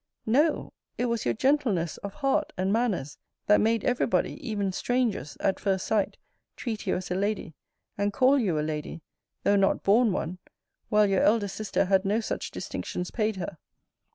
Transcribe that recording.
No, it was your gentleness of heart and manners, that made every body, even strangers, at first sight, treat you as a lady, and call you a lady, though not born one, while your elder sister had no such distinctions paid her.